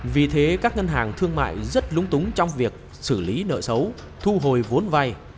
vì thế các ngân hàng thương mại rất lúng túng trong việc xử lý nợ xấu thu hồi vốn vay